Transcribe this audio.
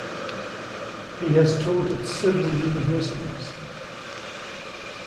He has taught at several universities.